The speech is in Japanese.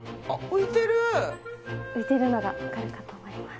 浮いてるのがわかるかと思います。